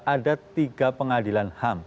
ada tiga pengadilan ham